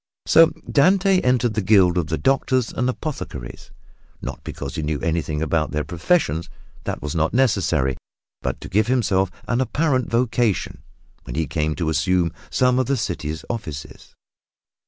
So Dante entered the guild of the Doctors and Apothecaries not because he knew anything about their professions that was not necessary but to give himself an apparent vocation when he came to assume some one of the city offices.